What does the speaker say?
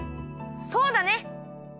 そうだね！